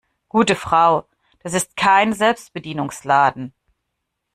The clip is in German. Gute Frau, das ist kein Selbstbedienungsladen.